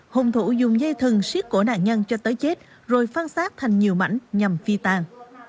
hung thủ dùng dây thừng siết cổ nạn nhân cho tới chết rồi phan xác thành nhiều mảnh nhằm phi tan